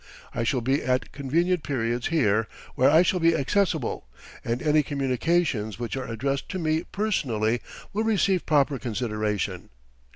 I shall be at convenient periods here where I shall be accessible, and any communications which are addressed to me personally will receive proper consideration.